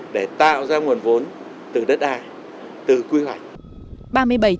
để tạo ra nguồn vốn từ đất đai từ quy hoạch